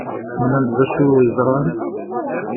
Nnan-d d acu yeḍran?